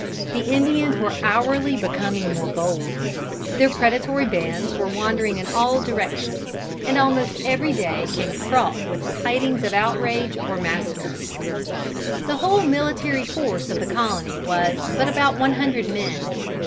The Indians were hourly becoming more bold. Their predatory bands were wandering in all directions, and almost every day came fraught with tidings of outrage or massacre. The whole military force of the colony was but about one hundred men.